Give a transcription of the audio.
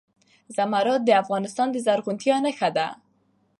زمرد د افغانستان د زرغونتیا نښه ده.